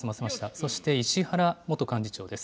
そして石原元幹事長です。